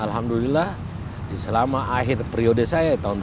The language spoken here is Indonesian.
alhamdulillah selama akhir periode saya tahun dua ribu enam belas ini